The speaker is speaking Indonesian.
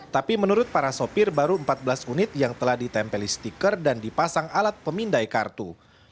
tapi menurut para sopir baru empat belas unit yang telah ditempeli stiker dan dipasang alat pemindai kartu